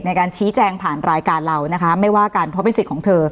ในการชี้แจงผ่านรายการเรานะคะไม่ว่ากันเพราะเป็นสิทธิ์ของเธอ